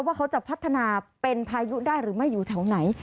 ว่าเขาจะพัฒนาเป็นพายุได้หรือไม่อยู่แถวไหน